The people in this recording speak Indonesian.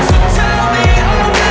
aku mau ngeliatin apaan